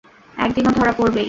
একদিন ও ধরা পরবেই।